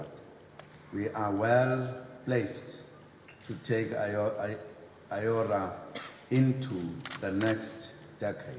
diperhatikan sebagai perjalanan yang sangat berharga